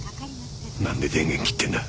何で電源切ってんだ。